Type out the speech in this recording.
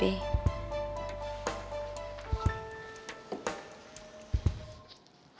aku selalu mencintaimu mas b